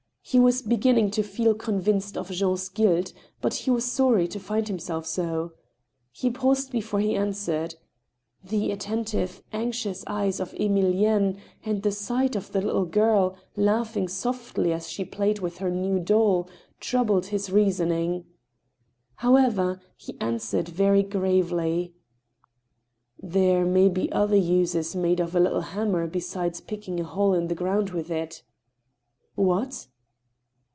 He was beginning to f^el convinced of Jean's guilt, but he was sorry to find himself so. He paused before he answered. The attentive, anxious eyes of Emilienne, and the sight of the little girl, laughing softly as she played with her new doll, troubled his reasoning. Hbweyer, he answered, very gravely :" There may be other uses made of a little hammer, besides picking a hole in the ground with it." ''What?"